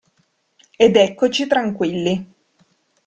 Ed eccoci tranquilli.